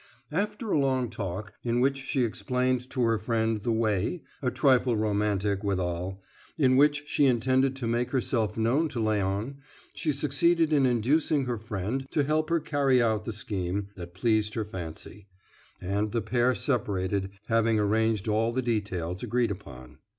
After a long talk, in which she explained to her friend the way a trifle romantic withal in which she intended to make herself known to Léon, she succeeded in inducing her friend to help her carry out the scheme that pleased her fancy, and the pair separated, having arranged all the details agreed upon.